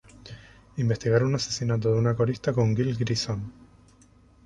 Investigar un asesinato de una corista con Gil Grissom.